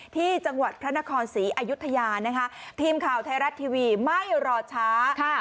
ที่จังหวัดพระนครศรีอายุทยานะคะทีมข่าวไทยรัฐทีวีไม่รอช้าค่ะ